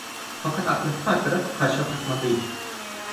Fakat aklı hep arkada, karşı apartmanda idi.